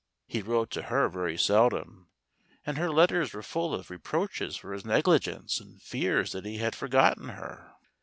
He wrote to her very seldom, and her letters were full of re¬ proaches for his negligence and fears that he had forgotten her.